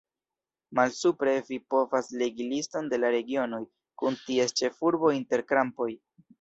Malsupre vi povas legi liston de la regionoj, kun ties ĉefurbo inter krampoj.